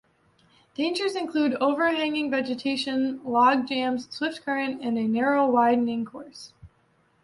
Dangers include overhanging vegetation, logjams, swift current, and a narrow winding course.